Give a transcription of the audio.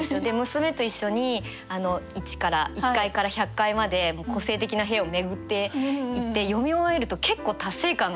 娘と一緒に１から１階から１００階まで個性的な部屋を巡っていって読み終えると結構達成感があるんですよね。